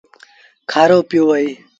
کآرو پيو اهي۔